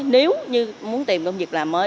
nếu như muốn tìm công việc làm mới